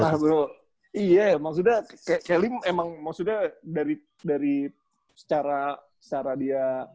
nah bro iya maksudnya kelly emang maksudnya dari secara dia